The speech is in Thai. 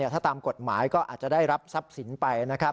ถ้าตามกฎหมายก็อาจจะได้รับทรัพย์สินไปนะครับ